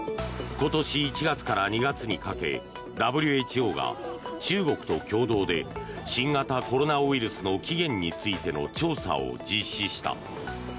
今年１月から２月にかけＷＨＯが中国と共同で新型コロナウイルスの起源についての調査を実施した。